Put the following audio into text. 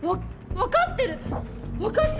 分かってる！